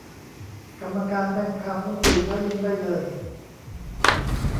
กรรมการแม่งคาบนกหวีดแล้วยิงได้เลย